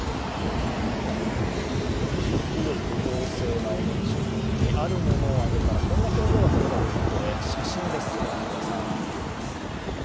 食欲旺盛なおもち君にあるものをあげたらこんな表情が撮れたということで写真です。